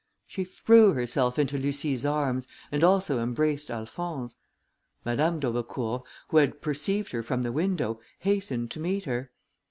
She threw herself into Lucie's arms, and also embraced Alphonse; Madame d'Aubecourt, who had perceived her from the window, hastened to meet her.